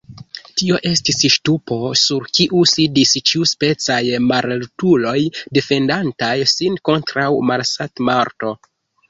Tio estis ŝtupo, sur kiu sidis ĉiuspecaj mallertuloj, defendantaj sin kontraŭ malsatmorto.